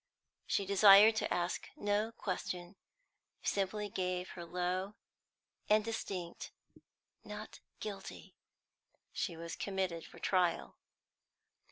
She desired to ask no question, simply gave her low and distinct "Not guilty." She was committed for trial.